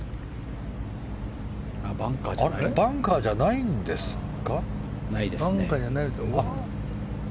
バンカーじゃないんですか。